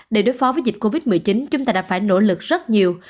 để đối phó với dịch covid một mươi chín chúng ta đã phải nỗ lực rất nhiều